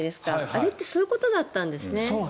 あれってそういうことだったんですね。